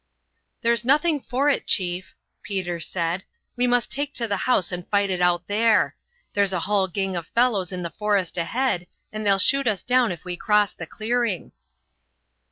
"There's nothing for it, chief," Peter said. "We must take to the house and fight it out there. There's a hull gang of fellows in the forest ahead, and they'll shoot us down if we cross the clearing."